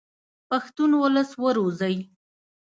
پښتون اولس و روزئ.